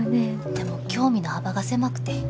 でも興味の幅が狭くて。